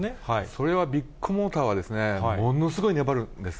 それはビッグモーターは、ものすごい粘るんです。